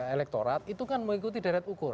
elektorat itu kan mengikuti deret ukur